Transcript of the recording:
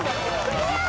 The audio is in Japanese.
クリア！